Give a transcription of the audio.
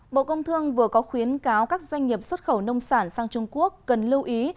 bộ công thương vừa có khuyến cáo các doanh nghiệp xuất khẩu nông sản sang trung quốc cần lưu ý